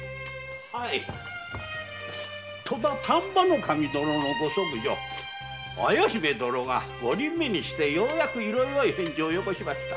はい戸田丹波守の御息女綾姫殿が五人目にしてようやく色よい返事をよこしました。